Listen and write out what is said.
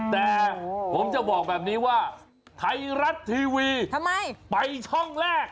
แต่ผมจะบอกแบบนี้ว่าไทยรัฐทีวีไปช่องแรก